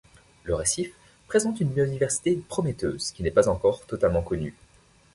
Le récif présente une biodiversité prometteuse, qui n'est pas encore totalement connue.